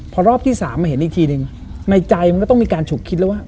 พอรอบที่๓มาเห็นอีกทีหนึ่งในใจมันก็ต้องมีการฉุกคิดแล้วว่า